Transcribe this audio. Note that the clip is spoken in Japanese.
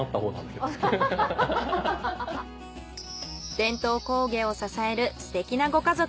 伝統工芸を支えるすてきなご家族。